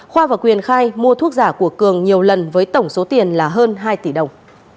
khoa và quyền khai mua thuốc giả của cường nhiều lần với tổng số tiền là hơn hai tỷ đồng